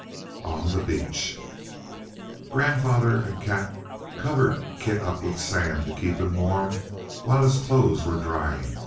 On the Beach Grandfather and Kat covered Kit up with sand to keep him warm while his clothes were drying.